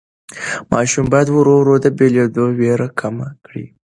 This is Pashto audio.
ماشوم باید ورو ورو د بېلېدو وېره کمه کړي.